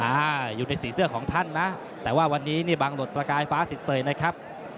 อ่าอยู่ในสีเสื้อของท่านนะแต่ว่าวันนี้นี่บังหลดประกายฟ้าสิทเซยนะครับ